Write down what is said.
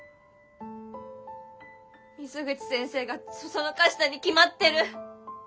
水口先生が唆したに決まってる。